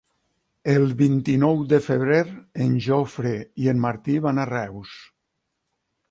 El vint-i-nou de febrer en Jofre i en Martí van a Reus.